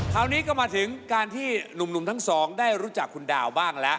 คราวนี้ก็มาถึงการที่หนุ่มทั้งสองได้รู้จักคุณดาวบ้างแล้ว